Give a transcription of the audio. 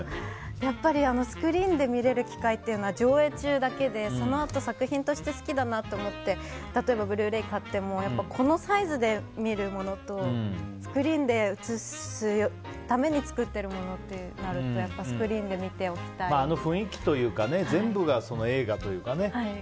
やっぱりスクリーンで見れる機会は上映中だけでそのあと作品として好きだなと思って例えば、ブルーレイ買ってもこのサイズで見るものとスクリーンで映すために作っているものってなるとやっぱりあの雰囲気というか全部が映画というかね。